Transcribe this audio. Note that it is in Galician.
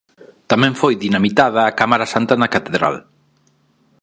Tamén foi dinamitada a Cámara Santa na Catedral.